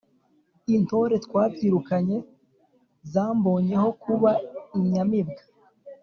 Intore twabyirukanye zambonyeho kuba inyamibwa